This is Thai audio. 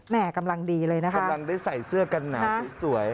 กำลังดีเลยนะคะกำลังได้ใส่เสื้อกันหนาวสวย